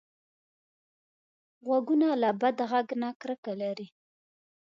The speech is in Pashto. غوږونه له بد غږ نه کرکه لري